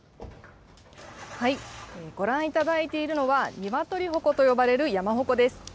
ご覧いただいているのは、鶏鉾と呼ばれる山鉾です。